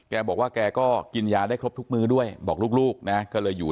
แกบอกว่าแกก็กินยาได้ครบทุกมื้อด้วยบอกลูกนะก็เลยอยู่